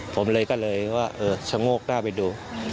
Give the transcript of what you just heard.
ผมเลยก็ช้างโลกด้าวไปดู